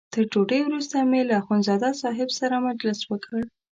تر ډوډۍ وروسته مې له اخندزاده صاحب سره مجلس وکړ.